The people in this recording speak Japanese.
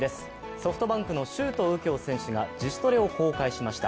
ソフトバンクの周東佑京選手が自主トレを公開しました。